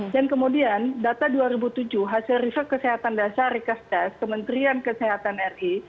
dan kemudian data dua ribu tujuh hasil riset kesehatan dasar rikas das kementerian kesehatan ri